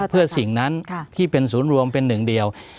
เพื่อสิ่งนั้นที่เป็นศูนย์รวมเป็นหนึ่งเดียว